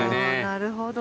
なるほど。